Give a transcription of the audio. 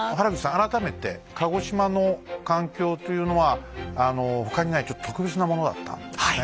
改めて鹿児島の環境というのは他にないちょっと特別なものだったんですね。